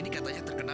bukan ini yang kena